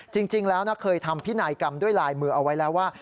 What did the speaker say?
จริงแล้วเคยทำพินัยกรรมด้วยลายมือเอาไว้แล้วว่า